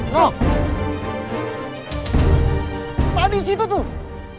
kok di situ tuh